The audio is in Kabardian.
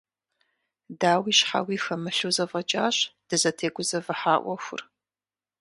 Дауи щхьэуи хэмылъу зэфӀэкӀащ дызытегузэвыхьа Ӏуэхур.